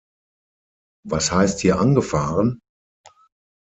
Was heißt hier angefahren?